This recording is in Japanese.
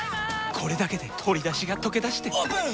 これだけで鶏だしがとけだしてオープン！